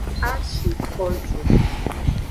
A shi ko ju.